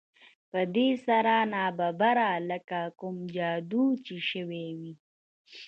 په دې سره ناببره لکه کوم جادو چې شوی وي